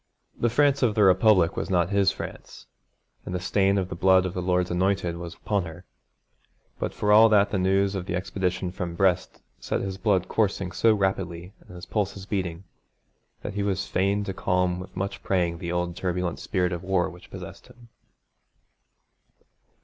The France of the Republic was not his France, and the stain of the blood of the Lord's Anointed was upon her, but for all that the news of the expedition from Brest set his blood coursing so rapidly and his pulses beating, that he was fain to calm with much praying the old turbulent spirit of war which possessed him.